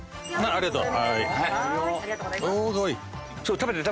ありがとう！